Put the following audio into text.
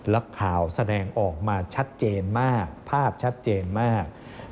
แล้วข่าวแสดงออกมาชัดเจนมากภาพชัดเจนมาก